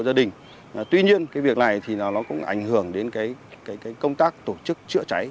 gia đình tuy nhiên cái việc này thì nó cũng ảnh hưởng đến cái công tác tổ chức chữa cháy